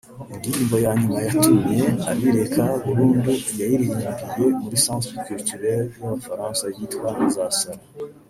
indirimbo ya nyuma yatumye abireka burundu yayiririmbiye muri Centre Culturel y’Abafaransa yitwa « Nzasara